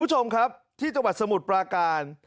คุณผู้ชมครับที่จังหวัดสมุทรปราการ